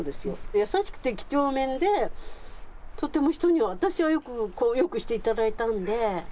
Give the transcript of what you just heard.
優しくてきちょうめんで、とても人には、私はよくしていただいたんで。